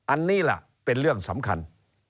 อันนี้ล่ะเป็นเรื่องสำคัญ